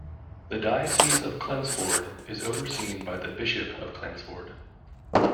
The diocese of Chelmsford is overseen by the Bishop of Chelmsford.